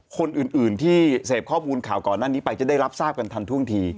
คนอื่นที่เสพข้อมูลข่าวก่อนหน้านี้ไปจะได้รับทราบกันทันท่วงที